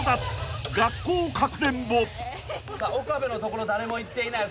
［学校かくれんぼ］さあ岡部のところ誰も行っていない。